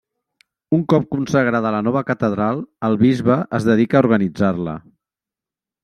Un cop consagrada la nova catedral, el bisbe es dedica a organitzar-la.